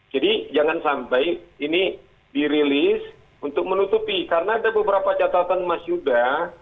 jadi jangan sampai ini dirilis untuk menutupi karena ada beberapa catatan mas yuda